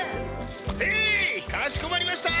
へいかしこまりました！